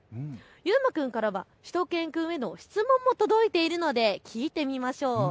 ゆうま君からはしゅと犬くんへの質問も届いているので聞いてみましょう。